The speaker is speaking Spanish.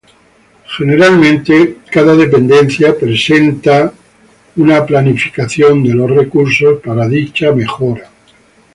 Generalmente cada Dependencia hace una planeación interna para asignar recursos para dicha implementación.